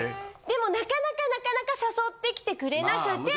でもなかなか誘ってきてくれなくて。